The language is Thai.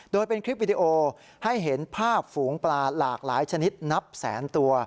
โดยเป็นคลิปวิดีโอให้เห็นภาพฝูงปลาหลากหลายชนิดนับแสนตัว